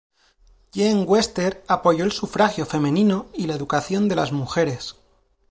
Jean Webster apoyó el sufragio femenino y la educación de las mujeres.